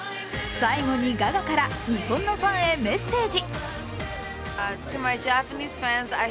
最後にガガから、日本のファンへメッセージ。